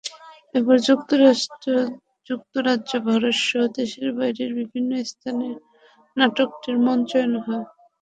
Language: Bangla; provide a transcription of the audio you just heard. এরপর যুক্তরাষ্ট্র, যুক্তরাজ্য, ভারতসহ দেশের বাইরের বিভিন্ন স্থানে নাটকটির মঞ্চায়ন হয়।